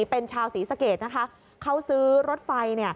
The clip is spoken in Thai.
เป็นชาวศรีสะเกดนะคะเขาซื้อรถไฟ